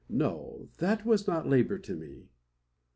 No; that was not labour to me.